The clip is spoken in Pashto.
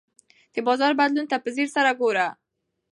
د بازار بدلون ته په ځیر سره ګوره.